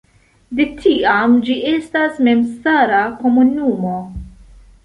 De tiam ĝi estas memstara komunumo.